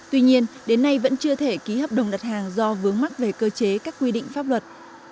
tuy nhiên đến nay vẫn chưa thể ký hợp đồng đặt hàng do vướng mắc về cơ chế các quy định pháp luật